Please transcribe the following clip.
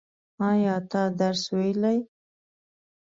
ایا ته درس ویلی؟